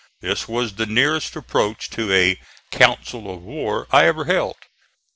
This was the nearest approach to a "council of war" I ever held.